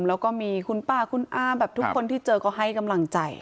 แล้วก็มีคุณป้าคุณอาแบบทุกคนที่เจอก็ให้กำลังใจ